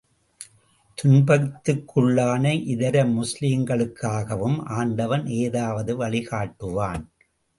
துன்பத்துக்குள்ளான இதர முஸ்லிம்களுக்காகவும் ஆண்டவன் ஏதாவது வழி காட்டுவான்.